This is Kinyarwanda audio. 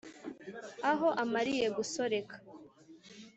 Aho amaliye gusoreka